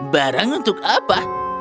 barang untuk apa